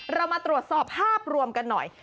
เรามาตรวจสอบภาพรวมกันหน่อย